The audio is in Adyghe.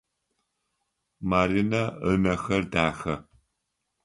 Маринэ ынэхэр дахэ.